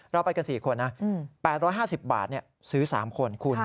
เราไปกัน๔คนนะ๘๕๐บาทซื้อ๓คนคุณ